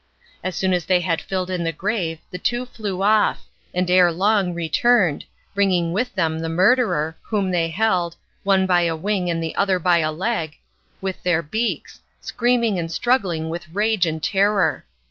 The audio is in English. As soon as they had filled in the grave the two flew off, and ere long returned, bringing with them the murderer, whom they held, one by a wing and the other by a leg, with their beaks, screaming and struggling with rage and terror.